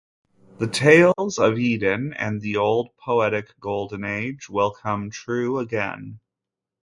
The tales of Eden and the old poetic golden age will come true again.